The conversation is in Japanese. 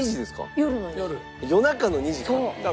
夜中の２時から？